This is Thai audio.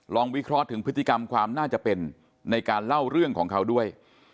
วิเคราะห์ถึงพฤติกรรมความน่าจะเป็นในการเล่าเรื่องของเขาด้วย